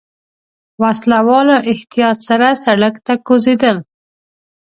وسله والو احتياط سره سړک ته کوزېدل.